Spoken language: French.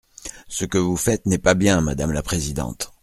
Ce que vous faites n’est pas bien, madame la présidente.